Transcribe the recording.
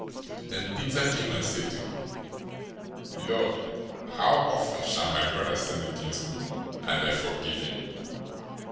018:021 Then Peter came and said to him, "Lord, how often shall my brother sin against me, and I forgive him?